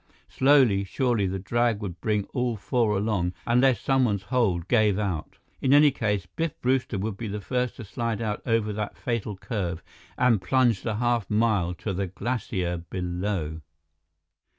Slowly, surely, the drag would bring all four along, unless someone's hold gave out. In any case, Biff Brewster would be the first to slide out over that fatal curve and plunge the half mile to the glacier below!